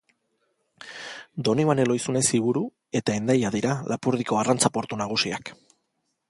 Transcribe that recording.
Donibane Lohizune-Ziburu eta Hendaia dira Lapurdiko arrantza portu nagusiak.